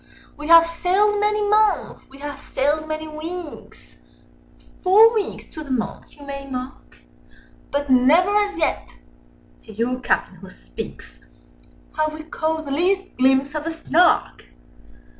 "We have sailed many months, we have sailed many weeks, Â Â Â Â (Four weeks to the month you may mark), But never as yet ('tis your Captain who speaks) Â Â Â Â Have we caught the least glimpse of a Snark!